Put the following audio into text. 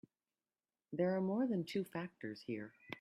There are more than two factors here.